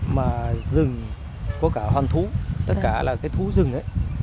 mà rừng có cả hoàn thú tất cả là cái thú rừng đấy